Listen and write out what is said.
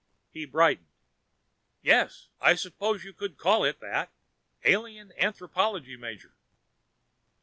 He brightened. "Yes. I suppose you could call it that. Alien anthropology major."